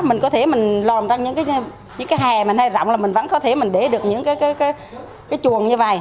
mình có thể mình lòm ra những cái hè mình hay rộng là mình vẫn có thể mình để được những cái chuồng như vầy